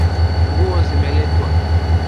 Nguo zimeletwa.